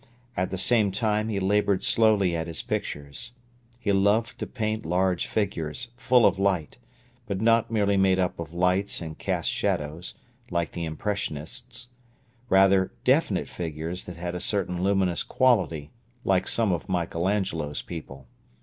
At the same time he laboured slowly at his pictures. He loved to paint large figures, full of light, but not merely made up of lights and cast shadows, like the impressionists; rather definite figures that had a certain luminous quality, like some of Michael Angelo's people.